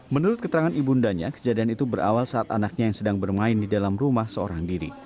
menurut keterangan ibu undanya kejadian itu berawal saat anaknya yang sedang bermain di dalam rumah seorang diri